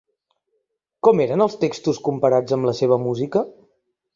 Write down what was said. Com eren els textos comparats amb la seva música?